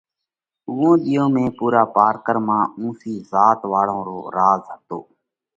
اُوئون ۮِيئون ۾ پُورا پارڪر مانه اُونسِي ذات واۯون رو راز هتو۔